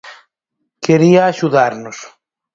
Quería axudarnos.